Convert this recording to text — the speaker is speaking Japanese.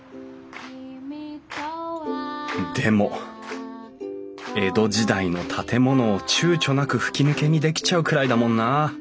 でも江戸時代の建物を躊躇なく吹き抜けにできちゃうくらいだもんな。